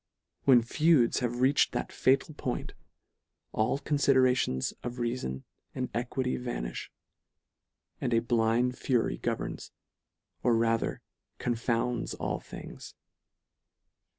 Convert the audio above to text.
When feuds have reached that fatal point, all considerations of reafon and equity vanifti ; and a blind fury governs, or rather confounds all things.